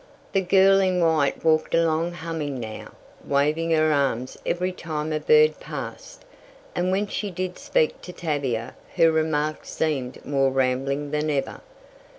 The girl in white walked along humming now, waving her arms every time a bird passed, and when she did speak to Tavia her remarks seemed more rambling than ever.